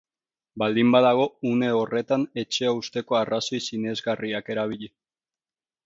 Baldin badago, une horretan etxea uzteko arrazoi sinesgarriak erabili.